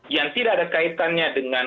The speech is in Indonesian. yang tidak ada kaitannya dengan